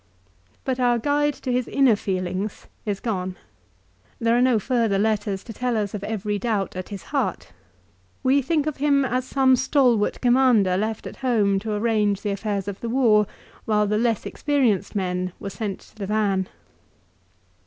But our guide to his inner feelings is gone. There are no further letters to tell us of every doubt at his heart. We think of him as of some stalwart commander left at home to arrange the affairs of the war, while the less experienced men were sent to the van.